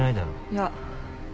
いや。